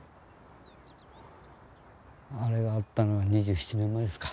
あれがあったのが２７年前ですか。